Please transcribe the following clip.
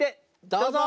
どうぞ！